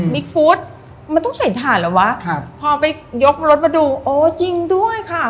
ฟู้ดมันต้องใส่ถ่านเหรอวะครับพอไปยกรถมาดูโอ้ยิงด้วยค่ะ